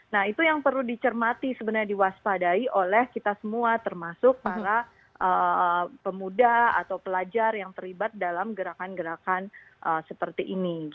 nah itu yang perlu dicermati sebenarnya diwaspadai oleh kita semua termasuk para pemuda atau pelajar yang terlibat dalam gerakan gerakan seperti ini